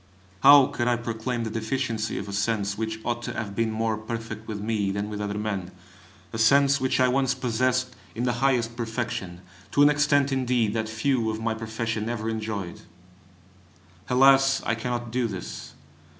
how could I proclaim the deficiency of a sense which ought to have been more perfect with me than with other men, a sense which I once possessed in the highest perfection, to an extent, indeed, that few of my profession ever enjoyed! Alas, I cannot do this!